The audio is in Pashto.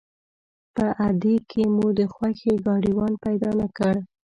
په اډې کې مو د خوښې ګاډیوان پیدا نه کړ.